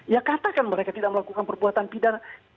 ya katakan mereka tidak melakukan perbuatan pidana